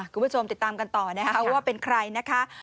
คุณผู้ชมติดตามกันต่อนะคะว่าเป็นใครนะคะ